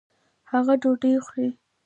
هغه ډوډۍ خوري.